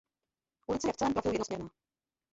Ulice je v celém profilu jednosměrná.